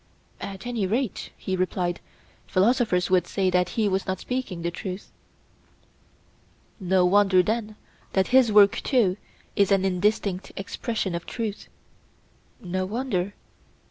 At any rate, he replied, philosophers would say that he was not speaking the truth. No wonder, then, that his work too is an indistinct expression of truth. No wonder.